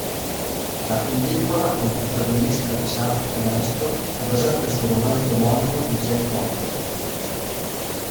La pellicola, con protagonista Charlton Heston, è basata sul romanzo omonimo di Jack London.